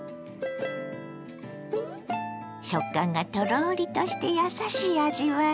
食感がトロリとしてやさしい味わい。